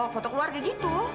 foto keluarga gitu